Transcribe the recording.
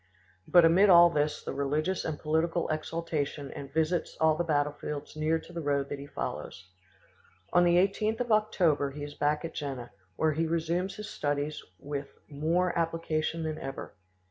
But amid all this the religious and political exaltation and visits all the battlefields near to the road that he follows. On the 18th of October he is back at Jena, where he resumes his studies with more application than ever.